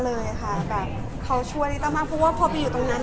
เลยค่ะแต่เขาช่วยต้องมากว่าพออยู่ตรงนั้น